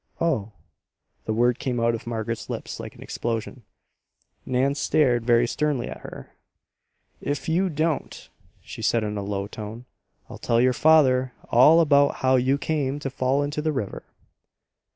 "Oh!" The word came out of Margaret's lips like an explosion. Nan stared very sternly at her. "If you don't," she said in a low tone, "I'll tell your father all about how you came to fall into the river."